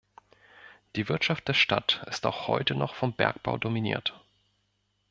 Die Wirtschaft der Stadt ist auch heute noch vom Bergbau dominiert.